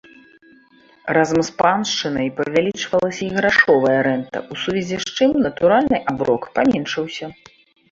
Разам з паншчынай павялічвалася і грашовая рэнта, у сувязі з чым натуральны аброк паменшыўся.